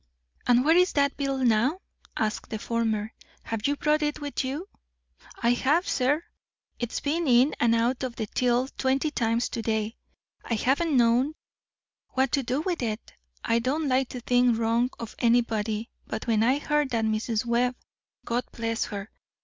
"And where is that bill now?" asked the former. "Have you brought it with you?" "I have, sir. It's been in and out of the till twenty times to day. I haven't known what to do with it. I don't like to think wrong of anybody, but when I heard that Mrs. Webb (God bless her!)